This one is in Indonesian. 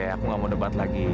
aku gak mau debat lagi